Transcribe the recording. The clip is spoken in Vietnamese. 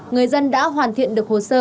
người dân đã hoàn thiện được hồ sơ